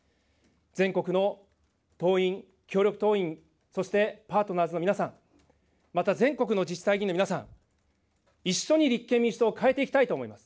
全国の党員、協力党員、そしてパートナーズの皆さん、また全国の自治体議員の皆さん、一緒に立憲民主党を変えていきたいと思います。